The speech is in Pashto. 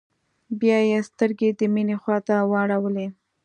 بيا يې سترګې د مينې خواته واړولې.